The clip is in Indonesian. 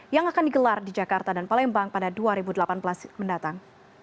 yang akan digelar di jakarta dan palembang pada dua ribu delapan belas mendatang